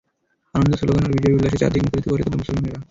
আনন্দ-শ্লোগান আর বিজয়-উল্লাসে চারদিক মুখরিত করে তোলে মুসলমানরা।